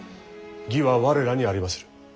義は我らにありまする。